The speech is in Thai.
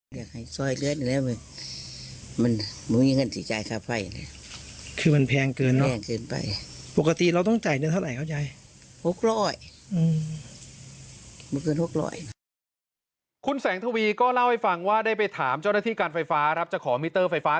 อยากให้ซ่อยเลือดหนึ่งมันมีเงินที่จ่ายค่าไฟฟ้า